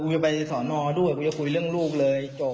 จะไปสอนอด้วยกูจะคุยเรื่องลูกเลยจบ